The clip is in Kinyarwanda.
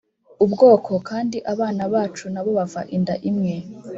Ubwoko kandi abana bacu na bo bava inda imwe